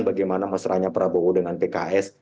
bagaimana mesranya prabowo dengan pks